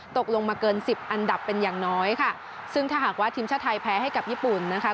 ตกลงมาเกินสิบอันดับเป็นอย่างน้อยค่ะซึ่งถ้าหากว่าทีมชาติไทยแพ้ให้กับญี่ปุ่นนะคะ